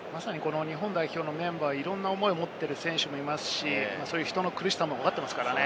日本代表のメンバー、いろんな思いを持っている選手もいますし、人の苦しさもわかっていますからね。